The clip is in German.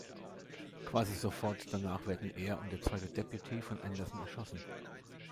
Quasi sofort danach werden er und der zweite Deputy von Anderson erschossen.